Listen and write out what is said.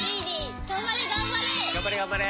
がんばれがんばれ。